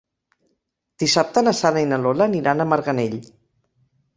Dissabte na Sara i na Lola aniran a Marganell.